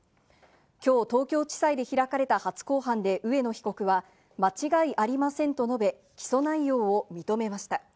今日、東京地裁で開かれた初公判で植野被告は間違いありませんと述べ、起訴内容を認めました。